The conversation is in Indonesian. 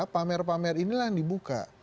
pamer pamer inilah yang dibuka